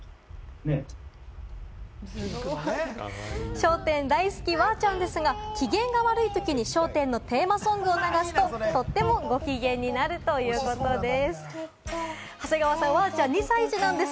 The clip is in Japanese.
『笑点』大好きのわーちゃんですが、機嫌が悪いときに『笑点』のテーマソングを流すと、とってもご機嫌になるということです。